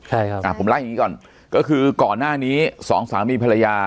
ใช่ครับอ่าผมไล่อย่างงี้ก่อนก็คือก่อนหน้านี้สองสามีภรรยา